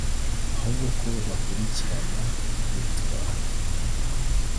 ahubwo ko bakurikirana uyitwaye